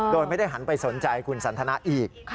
โดยไม่ได้หันไปสนใจคุณสันทนาอีก